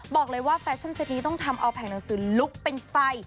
บอกเลยว่าแฟชั่นเซ็ตนี้ต้องทำเอาแผงหนังสือลุกเป็นไฟ